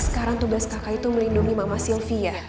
sekarang tugas kakak itu melindungi mama sylvia